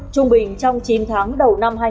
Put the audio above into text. trung bình trong chín tháng đầu năm